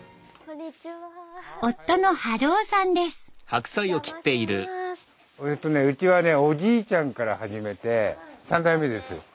うちはねおじいちゃんから始めて３代目です。